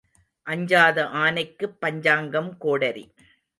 அஞ்சாத ஆனைக்குப் பஞ்சாங்கம் கோடரி.